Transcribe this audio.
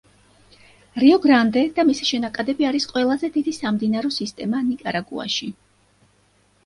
რიო გრანდე და მისი შენაკადები არის ყველაზე დიდი სამდინარო სისტემა ნიკარაგუაში.